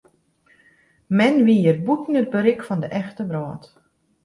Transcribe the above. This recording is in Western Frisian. Men wie hjir bûten it berik fan de echte wrâld.